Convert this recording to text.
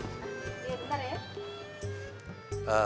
iya bentar ya